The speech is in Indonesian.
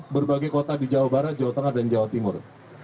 berbagai kota di jawa barat jawa tengah dan jawa timur